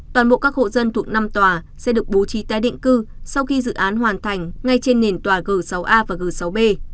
toàn bộ các hộ dân thuộc năm tòa sẽ được bố trí tái định cư sau khi dự án hoàn thành ngay trên nền tòa g sáu a và g sáu b